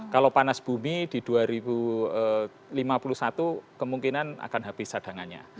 kalau panas bumi di dua ribu lima puluh satu kemungkinan akan habis cadangannya